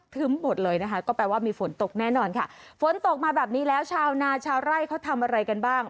หมดเลยนะคะก็แปลว่ามีฝนตกแน่นอนค่ะฝนตกมาแบบนี้แล้วชาวนาชาวไร่เขาทำอะไรกันบ้าง